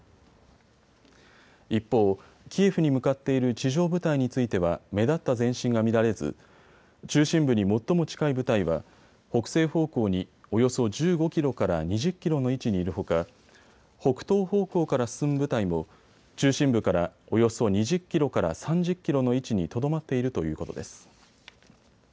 一方、キエフに向かっている地上部隊については目立った前進が見られず中心部に最も近い部隊は北西方向におよそ１５キロから２０キロの位置にいるほか北東方向から進む部隊も中心部からおよそ２０キロから３０キロの位置にとどまっているということです。